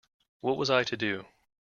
What was I to do?